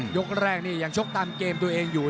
ยกแรกนี่ยังชกตามเกมตัวเองอยู่